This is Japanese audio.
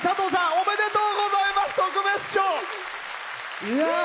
おめでとうございます。